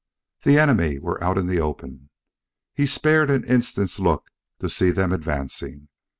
The enemy were out in the open; he spared an instant's look to see them advancing.